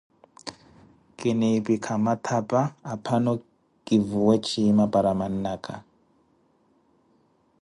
kinnipikha mathapa aphano kivuwe chiima para mannakha.